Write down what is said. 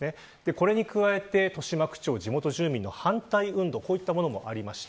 これに加えて、豊島区長と地元住民の反対運動もありました。